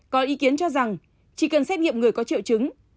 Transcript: có ý kiến cho rằng chỉ cần xét nghiệm người có triệu chứng